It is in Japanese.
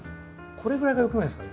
これぐらいがよくないですか？